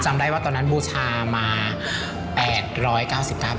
จำได้ว่าตอนนั้นบูชามา๘๙๙บาท